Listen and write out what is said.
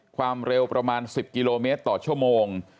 ความเร็วประมาณ๑๐กิโลเมตรต่อชั่วโมง